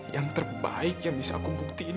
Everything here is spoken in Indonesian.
yang terbaik yang bisa aku buktiin